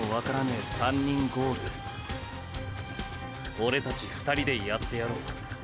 オレたち２人でやってやろう。